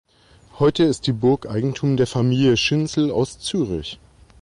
Heute ist die Burg Eigentum der Familie Schinzel aus Zürich.